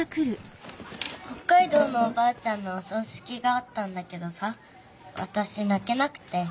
北海道のおばあちゃんのおそうしきがあったんだけどさわたしなけなくて。